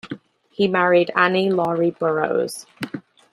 He married Annie Laurie Burrous.